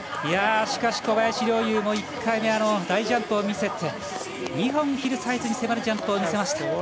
しかし、小林陵侑も１回目大ジャンプを見せて２本、ヒルサイズに迫るジャンプを見せました。